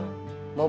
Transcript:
mau balik ke rumah